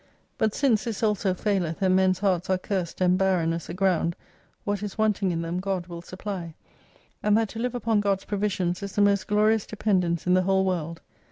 But since this also faileth, and men's hearts are cursed and barren as the ground, what is wanting in them God will supply. And that to live upon God's provisions is the most glorious dependence in the whole world.